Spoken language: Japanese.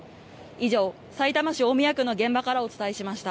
以上、さいたま市大宮区の現場からお伝えしました。